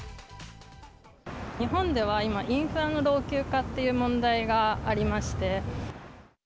日本では今、インフラの老朽化っていう問題がありまして。